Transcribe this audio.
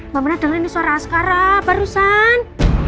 mbak mirna denger nih suara askara barusan